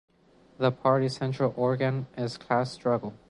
The party central organ is Class Struggle.